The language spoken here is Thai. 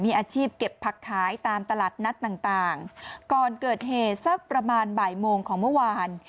มีอาชีพเก็บผักขายตามตลาดนัดต่างต่างก่อนเกิดเหตุสักประมาณบ่ายโมงของเมื่อวาน